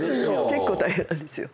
結構大変なんですよ。